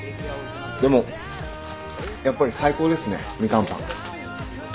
でもやっぱり最高ですねみかんパン。